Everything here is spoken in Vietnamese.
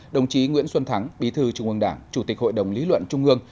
đồng chí nguyễn xuân thắng bí thư trung ương đảng chủ tịch hội đồng lý luận trung ương